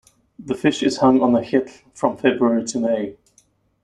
The fish is hung on the "hjell" from February to May.